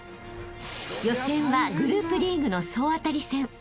［予選はグループリーグの総当たり戦］